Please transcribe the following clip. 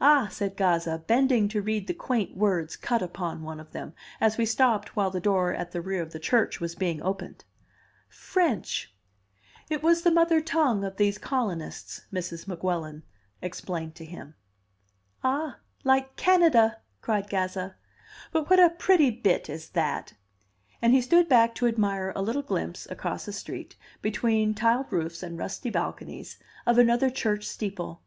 "Ah!" said Gazza, bending to read the quaint words cut upon one of them, as we stopped while the door at the rear of the church was being opened, "French!" "It was the mother tongue of these colonists," Mrs. Weguelin explained to him. "Ah! like Canada!" cried Gazza. "But what a pretty bit is that!" And he stood back to admire a little glimpse, across a street, between tiled roofs and rusty balconies, of another church steeple.